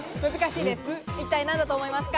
一体何だと思いますか？